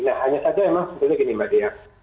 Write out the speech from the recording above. nah hanya saja memang sebetulnya gini mbak dea